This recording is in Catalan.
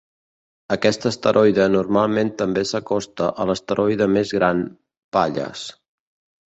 Aquest asteroide normalment també s'acosta a l'asteroide més gran Pallas.